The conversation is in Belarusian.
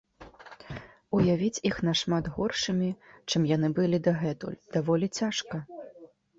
Уявіць іх нашмат горшымі, чым яны былі дагэтуль, даволі цяжка.